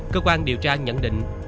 cơ quan điều tra nhận định